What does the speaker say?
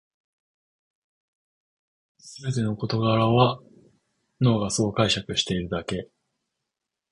すべての事柄は脳がそう解釈しているだけ